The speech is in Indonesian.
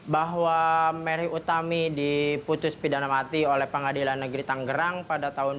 bahwa mary utami diputus pidana mati oleh pengadilan negeri tanggerang pada tahun dua ribu